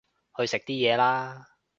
去食啲嘢啦